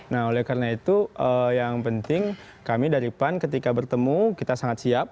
nah oleh karena itu yang penting kami dari pan ketika bertemu kita sangat siap